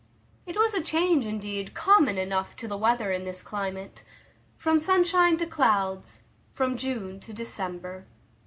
It was a change, indeed, common enough to the weather in this climate, from sunshine to clouds, from June to December.